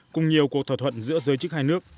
cùng nhiều cuộc thỏa thuận giữa giới chức hai nước